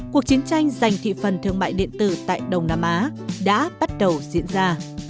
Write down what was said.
cuộc chiến tranh giành thị phần thương mại điện tử tại đông nam á đã bắt đầu diễn ra